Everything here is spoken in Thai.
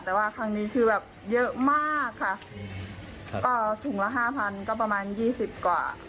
แต่ว่าครั้งนี้คือแบบเยอะมากค่ะก็ถุงละห้าพันก็ประมาณยี่สิบกว่า